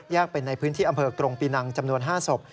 เป็นในพื้นที่อำเภอกรงปีนังจำนวน๕ศพ